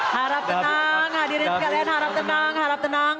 harap tenang hadirin sekalian harap tenang